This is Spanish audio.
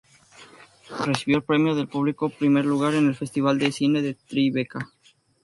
Recibió el Premio del Público Primer Lugar en el Festival de Cine de Tribeca